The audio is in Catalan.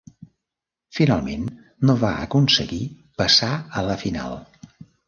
Finalment, no va aconseguir passar a la final.